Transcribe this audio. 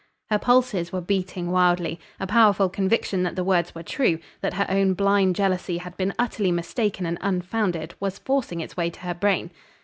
Her pulses were beating wildly. A powerful conviction that the words were true; that her own blind jealousy had been utterly mistaken and unfounded, was forcing its way to her brain.